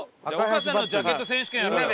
丘さんのジャケット選手権やろうよ。